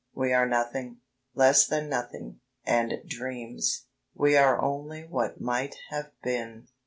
We are nothing; less than nothing, and dreams. _We are only what might have been.